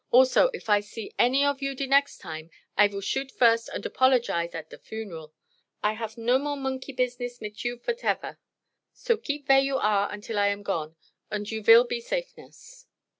Also if I see any of you de next time, I vill shoot first unt apologise at der funeral. I haf no more monkey business mit you voteffer; so keep vere you are until I am gone, unt you vill be safeness."